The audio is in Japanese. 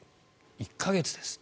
１か月です。